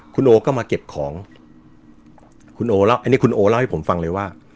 คุณโอก็มาเก็บของคุณโอเล่าอันนี้คุณโอเล่าให้ผมฟังเลยว่า